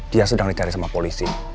dia sedang dicari sama polisi